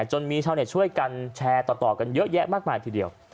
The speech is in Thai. จนมีชาวเน็ตช่วยกันแชร์ต่อกันเยอะแยะมากมายทีเดียว